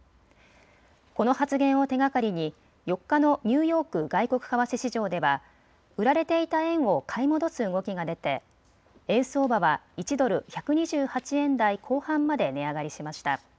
この発言を手がかりに４日のニューヨーク外国為替市場では売られていた円を買い戻す動きが出て円相場は１ドル１２８円台後半まで値上がりしました。